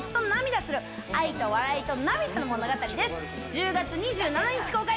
１０月２７日公開！